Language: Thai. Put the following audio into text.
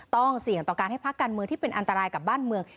ต้องเสี่ยงต่อการให้พักการเมืองที่เป็นอันตรายกับบ้านเมือง